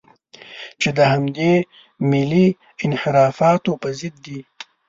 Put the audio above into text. چې د همدې ملي انحرافاتو په ضد دي.